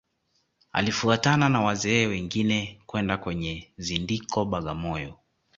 Alifuatana na wazee wengine kwenda kwenye zindiko Bagamoyo